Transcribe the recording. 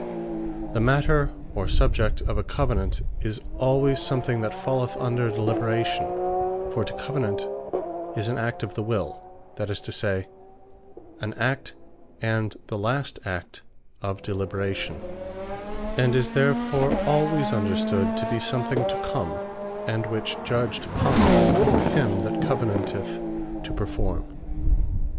No Covenant, But Of Possible And Future The matter, or subject of a Covenant, is alwayes something that falleth under deliberation; (For to Covenant, is an act of the Will; that is to say an act, and the last act, of deliberation;) and is therefore alwayes understood to be something to come; and which is judged Possible for him that Covenanteth, to performe.